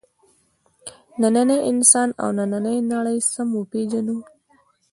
نننی انسان او نننۍ نړۍ سم وپېژنو.